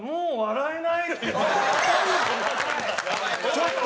ちょっと！